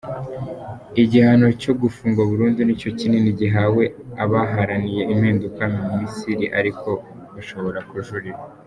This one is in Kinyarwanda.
Igihano cyo gufungwa burundu nicyo kinini gihawe abaharaniye impinduka mu Misiri, ariko bashobora kujurira.